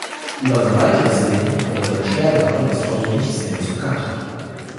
Über sein weiteres Lebens oder sein Sterbedatum ist heute nichts Näheres bekannt.